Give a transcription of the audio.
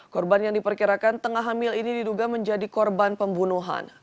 korban yang diperkirakan tengah hamil ini diduga menjadi korban pembunuhan